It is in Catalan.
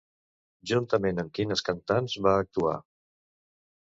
Juntament amb quines cantants va actuar?